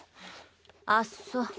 あっそ。